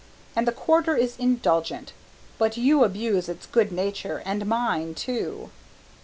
and the Quarter is indulgent, but you abuse its good nature and mine too!"